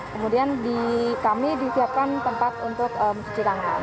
kemudian kami disiapkan tempat untuk mencuci tangan